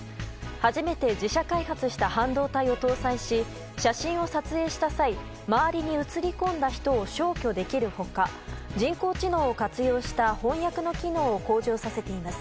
初めて自社開発した半導体を搭載し写真を撮影した際周りに映り込んだ人を消去できる他人工知能を活用した翻訳の機能を向上させています。